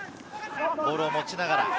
ボールを持ちながら。